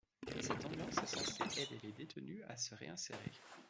Cette ambiance est censée aider les détenus à se réinsérer.